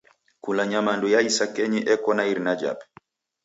Kula nyamandu ya isakenyi eko na irina jape.